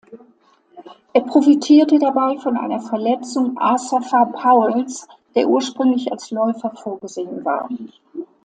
Er profitierte dabei von einer Verletzung Asafa Powells, der ursprünglich als Läufer vorgesehen war.